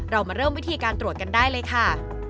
เรามาเริ่มวิธีการตรวจกันได้เลยค่ะ